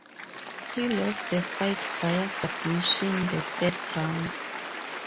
He lost the fight via submission the third round.